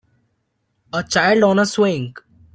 A child on a swing.